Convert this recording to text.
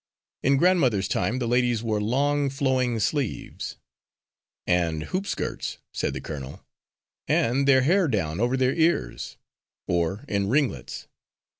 In grandmother's time the ladies wore long flowing sleeves " "And hoopskirts," said the colonel. "And their hair down over their ears." "Or in ringlets."